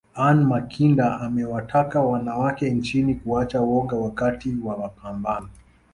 Anne Makinda amewataka wanawake nchini kuacha woga wakati wa mapambano